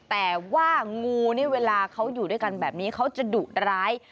แต่ว่างูนี่เวลาเขาอยู่ด้วยกันแบบนี้เขาจะดุร้าย